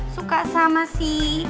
suka sama si